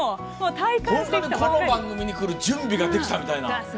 本当に、この番組に来る準備ができたみたいな。